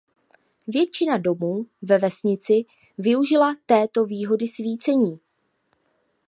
Většina domů ve vesnici využila této výhody svícení.